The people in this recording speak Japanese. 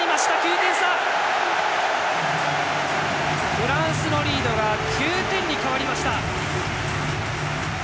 フランスのリードが９点に変わりました。